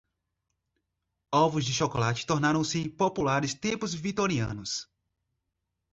Ovos de chocolate tornaram-se populares tempos vitorianos.